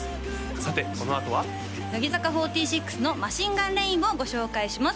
さてこのあとは乃木坂４６の「マシンガンレイン」をご紹介します